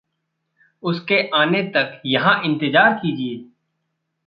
उसके आने तक यहाँ इंतेज़ार कीजिए।